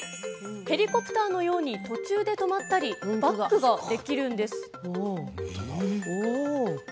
ヘリコプターのように途中で止まったりバックができるんです。